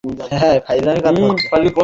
সবাইকে অবশ্যই আমার চুমু কঁপালে নিতে হবে।